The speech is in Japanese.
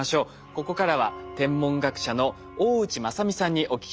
ここからは天文学者の大内正己さんにお聞きします。